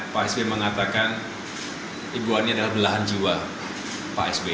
pak sby mengatakan ibu ani adalah belahan jiwa pak sby